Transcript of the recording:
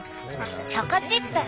チョコチップ。